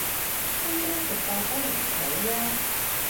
今晚食博多牛腸鍋